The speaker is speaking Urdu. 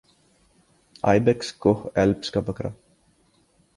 آئی بیکس کوہ ایلپس کا بکرا